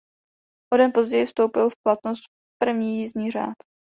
O den později vstoupil v platnost první jízdní řád.